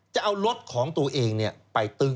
จะเอารถของตัวเองไปตึง